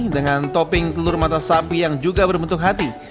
dengan topping telur mata sapi yang juga berbentuk hati